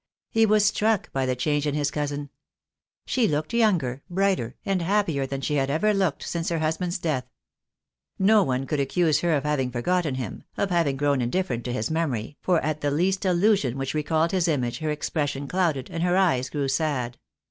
He was struck by the change in his cousin. She looked younger, brighter, and happier than she had ever looked since her husband's death. No one could accuse her of having forgotten him, of hav 2 88 THE DAY WILL COME. indifferent to his memory, for at the least allusion which recalled his image her expression clouded, and her eyes grew sad.